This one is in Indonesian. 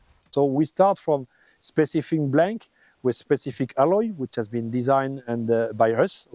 pertama kita memulai dari blank yang spesifik dengan aloi spesifik yang telah kita desain